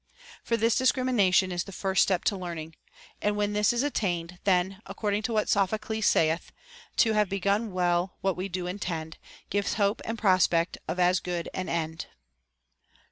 For this discrimination is the first step to learn ing ; and when this is attained, then, according to what Sophocles saith, — To have begun well what we do intend Gives hope and prospect of as good an end.